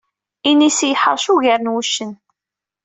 Inisi yeḥṛec ugar n wuccen.